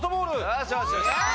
よしよしよし。